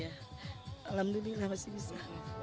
alhamdulillah masih bisa